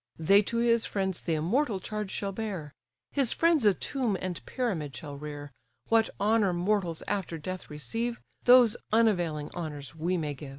They to his friends the immortal charge shall bear; His friends a tomb and pyramid shall rear: What honour mortals after death receive, Those unavailing honours we may give!"